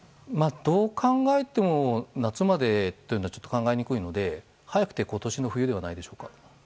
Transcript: どう考えても夏までというのはちょっと考えにくいので、早くて今年の冬ではないでしょうか。